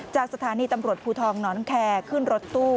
จากสถานีตำรวจภูทรน้องแคร์ขึ้นรถตู้